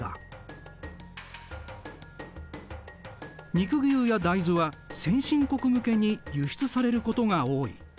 肉牛や大豆は先進国向けに輸出されることが多い。